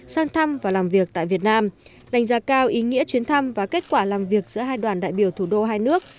sang thăm và làm việc tại việt nam đánh giá cao ý nghĩa chuyến thăm và kết quả làm việc giữa hai đoàn đại biểu thủ đô hai nước